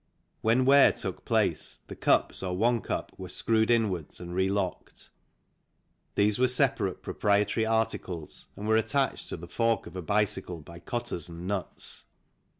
When wear took place the cups or one cup were screwed inwards and relocked. These were separate pro prietary articles and were attached to the fork of a bicycle by cotters and nuts.